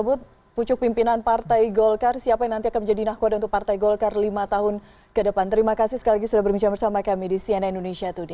itu yang saya inginkan